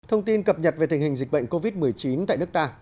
thông tin cập nhật về tình hình dịch bệnh covid một mươi chín tại nước ta